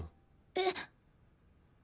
えっ。